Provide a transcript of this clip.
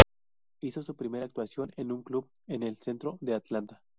Hizo su primera actuación en un club en el centro de Atlanta.